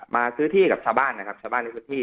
มาซื้อที่กับชาวบ้านนะครับชาวบ้านในพื้นที่